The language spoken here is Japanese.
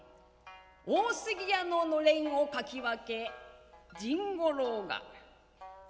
大杉屋の暖簾をかきわけ甚五郎が。